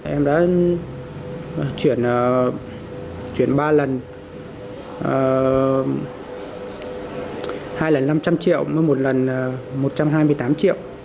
em đã chuyển ba lần hai lần năm trăm linh triệu một lần một trăm hai mươi tám triệu